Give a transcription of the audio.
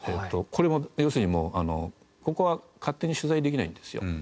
これも要するにここは勝手に取材できないんですよ。